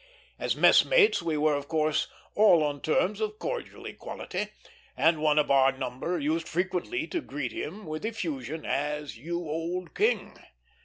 As messmates we were, of course, all on terms of cordial equality, and one of our number used frequently to greet him with effusion as "You old King."